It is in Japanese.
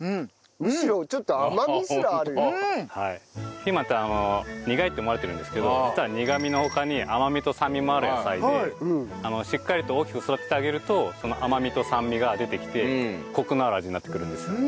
ピーマンって苦いって思われてるんですけど実は苦みの他に甘みと酸味もある野菜でしっかりと大きく育ててあげると甘みと酸味が出てきてコクのある味になってくるんですよ。